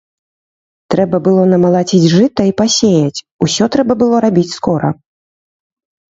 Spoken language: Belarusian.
Трэба было намалаціць жыта і пасеяць, усё трэба было рабіць скора.